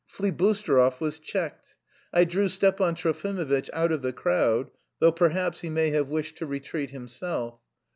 Flibusterov was checked. I drew Stepan Trofimovitch out of the crowd, though perhaps he may have wished to retreat himself.